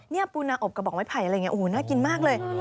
นี่ปูนาอบกระบอกไม้ไผ่อะไรอย่างนี้โอ้โหน่ากินมากเลย